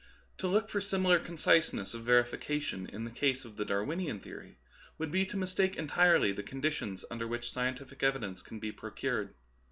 To look for similar conciseness of verification in the case of the Darwinian theory would be to mistake entirely the conditions under which sci entific evidence can be procured.